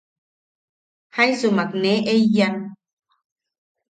Jaisumak ne eiyan.